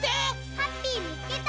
ハッピーみつけた！